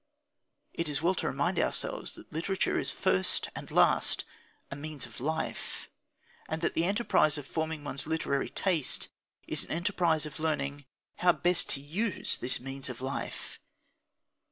It is well to remind ourselves that literature is first and last a means of life, and that the enterprise of forming one's literary taste is an enterprise of learning how best to use this means of life.